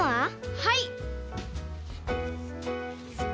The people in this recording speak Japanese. はい！